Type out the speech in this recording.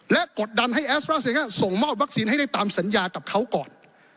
และกดดันให้แอสตราเซง่ายส่งมอบวัคซีนให้ได้ตามสัญญากับเขาก่อน